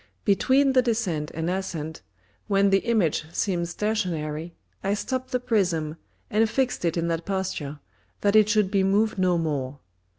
Between the Descent and Ascent, when the Image seemed Stationary, I stopp'd the Prism, and fix'd it in that Posture, that it should be moved no more.